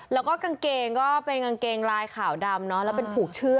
แล้วก็กางเกงก็เป็นกางเกงลายขาวดำแล้วเป็นผูกเชือก